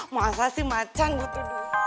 masa sih macan gitu